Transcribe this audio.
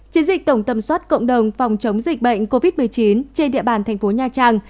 chiến dịch tổng tầm soát cộng đồng phòng chống dịch bệnh covid một mươi chín trên địa bàn thành phố nha trang